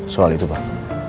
soal itu pak